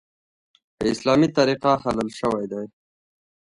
په اسلامي طریقه حلال شوی دی .